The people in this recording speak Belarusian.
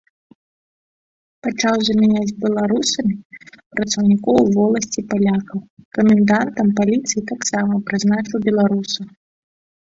Пачаў замяняць беларусамі працаўнікоў воласці палякаў, камендантам паліцыі таксама прызначыў беларуса.